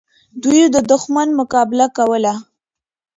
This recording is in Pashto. دوی د دښمن مقابله کوله.